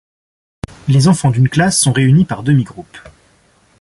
Les enfants d'une classe sont réunis par demi-groupes.